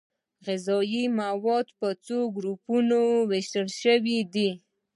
غذايي مواد په څو ګروپونو ویشل شوي دي